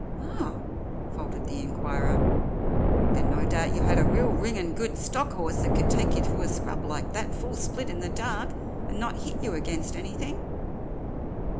"Ah!" faltered the inquirer, "then no doubt you had a real ringin' good stock horse that could take you through a scrub like that full split in the dark, and not hit you against anything."